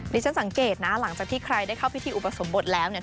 ฉันสังเกตนะหลังจากที่ใครได้เข้าพิธีอุปสมบทแล้วเนี่ย